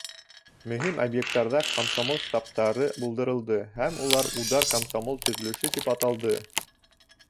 Мөһим объекттарҙа комсомол штабтары булдырылды, һәм улар удар комсомол төҙөлөшө тип аталды.